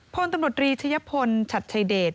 พลตำรวจรีชะยพลฉัดชัยเดช